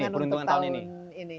peruntungan untuk tahun ini